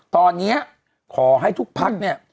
ตอนนี้ขอให้ทุกพักเนี่ย